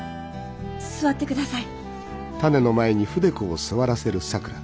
座ってください。